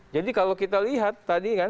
jadi kalau kita lihat tadi kan